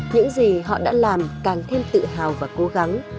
những gì họ đã làm càng thêm tự hào và cố gắng